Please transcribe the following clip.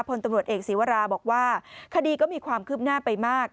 พลตำรวจเอกศีวราบอกว่าคดีก็มีความคืบหน้าไปมาก